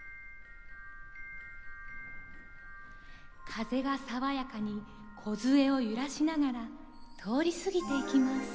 風が爽やかにこずえを揺らしながら通り過ぎていきます。